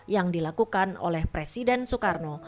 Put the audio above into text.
yang dilakukan oleh presiden soekarno